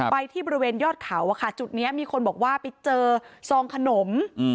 ไปที่บริเวณยอดเขาจุดนี้มีคนบอกว่าไปเจอซองขนม